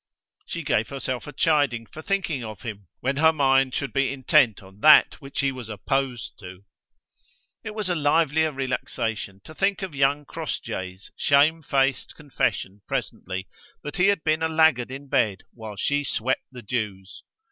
She gave herself a chiding for thinking of him when her mind should be intent on that which he was opposed to. It was a livelier relaxation to think of young Crossjay's shame faced confession presently, that he had been a laggard in bed while she swept the dews.